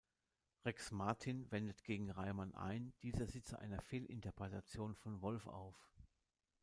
Rex Martin wendet gegen Reiman ein, dieser sitze einer Fehlinterpretation von Wolff auf.